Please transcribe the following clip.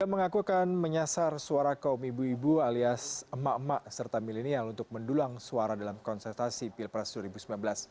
ia mengaku akan menyasar suara kaum ibu ibu alias emak emak serta milenial untuk mendulang suara dalam konsertasi pilpres dua ribu sembilan belas